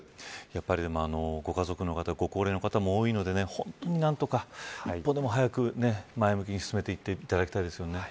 やっぱり、ご家族の方ご高齢の方も多いので本当に何とか早く前向きに進めていっていただきたいです。